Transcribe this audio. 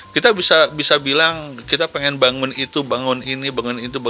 kita bisa bilang kita pengen bangun itu bangun ini bangun itu